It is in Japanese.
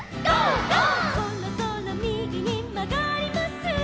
「そろそろみぎにまがります」